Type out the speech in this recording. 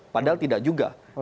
padahal tidak juga